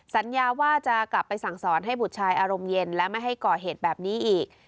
สัญญาว่าจะกลับไปสั่งสอนให้บุตรชายอารมณ์เย็นและไม่ให้ก่อเหตุแบบนี้อีก